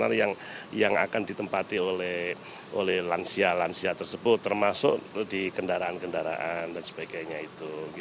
karena yang akan ditempati oleh lansia lansia tersebut termasuk di kendaraan kendaraan dan sebagainya itu